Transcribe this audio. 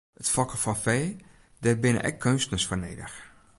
It fokken fan fee, dêr binne ek keunstners foar nedich.